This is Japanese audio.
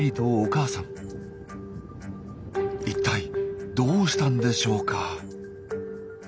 一体どうしたんでしょうか？